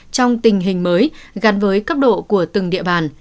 trong tình hình mới gắn với cấp độ của từng địa bàn